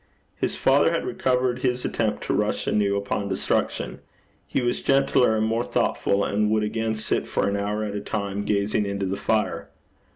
His father had recovered his attempt to rush anew upon destruction. He was gentler and more thoughtful, and would again sit for an hour at a time gazing into the fire.